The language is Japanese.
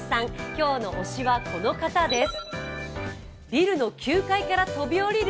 今日の推しはこの方です。